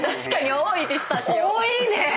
多いね！